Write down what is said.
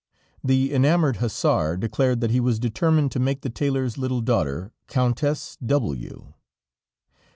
The enamored hussar declared that he was determined to make the tailor's little daughter, Countess W